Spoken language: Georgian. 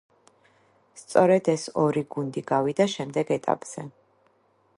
სწორედ ეს ორი გუნდი გავიდა შემდეგ ეტაპზე.